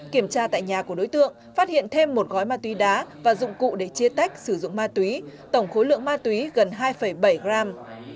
kiểm tra tại nhà của đối tượng phát hiện thêm một gói ma túy đá và dụng cụ để chia tách sử dụng ma túy tổng khối lượng ma túy gần hai bảy gram